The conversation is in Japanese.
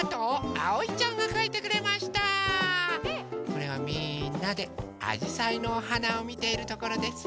これはみんなであじさいのおはなをみているところです。